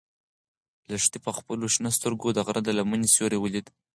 لښتې په خپلو شنه سترګو کې د غره د لمنې سیوری ولید.